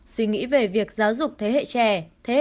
suy nghĩ về việc giáo dục thế hệ trẻ